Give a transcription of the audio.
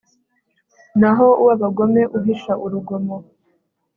naho uw'abagome uhisha urugomo